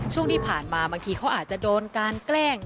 ช่วงที่ผ่านมาบางทีเขาอาจจะโดนการแกล้ง